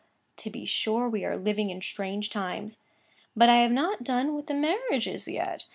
to be sure, we are living in strange times! 'But I have not done with the marriages yet.